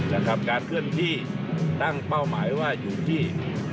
การเคลื่อนที่ตั้งเป้าหมายว่าอยู่ที่